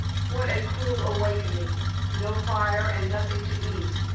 What a cruel awakening, no fire and nothing to eat.